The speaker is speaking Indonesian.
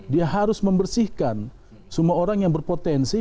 dia harus membersihkan semua orang yang berpotensi